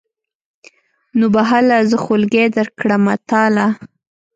نو به هله زه خولګۍ درکړمه تاله.